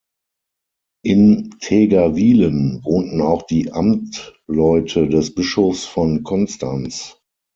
In Tägerwilen wohnten auch die Amtleute des Bischofs von Konstanz.